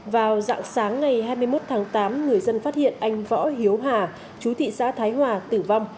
vào dạng sáng ngày hai mươi một tháng tám người dân phát hiện anh võ hiếu hà chú thị xã thái hòa tử vong